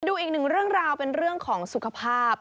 ดูอีกหนึ่งเรื่องราวเป็นเรื่องของสุขภาพ